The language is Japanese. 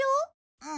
うん。